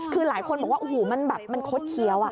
คือหลายคนบอกว่าโอ้โหมันแบบมันคดเคี้ยว